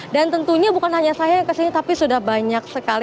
dan tentunya bukan hanya saya yang kesini tapi sudah banyak sekali